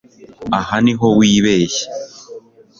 Aha niho wibeshye